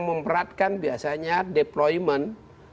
memberatkan biasanya deployment